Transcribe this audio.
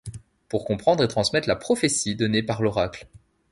Pour comprendre et transmettre la prophétie donnée par l’Oracle.